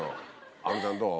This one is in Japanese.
あのちゃんどう？